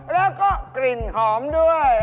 แล้วก็กลิ่นหอมด้วย